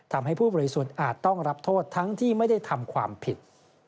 ทำให้ผู้บริสุทธิ์อาจต้องรับโทษทั้งที่ไม่ได้ทำความผิด